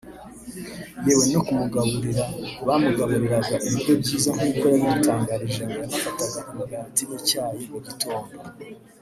yewe no ku mugaburira bamugaburiraga ibiryo byiza nk’uko yabidutangarije ngo yanafataga umugati n’icyayi mu gitondo